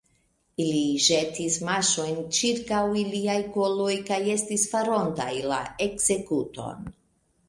Ili ĵetis maŝojn ĉirkaŭ iliaj koloj kaj estis farontaj la ekzekuton.